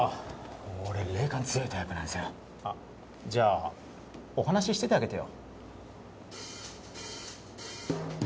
俺霊感強いタイプなんすよあっじゃあお話しててあげてよ